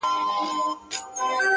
ميسج،